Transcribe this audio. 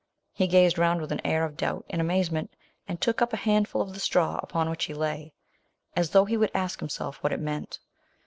He gazed round with an air of doubt and amaze ment, and took up a handful of the straw upon which he lay, as though he would ask himself what it meant.